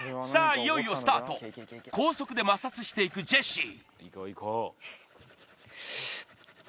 いよいよスタート高速で摩擦していくジェシー